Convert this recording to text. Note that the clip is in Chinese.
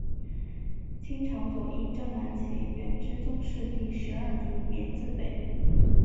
清朝左翼正蓝旗远支宗室第十二族绵字辈。